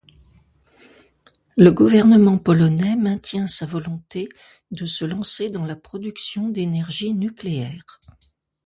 Le gouvernement polonais maintient sa volonté de se lancer dans la production d’énergie nucléaire.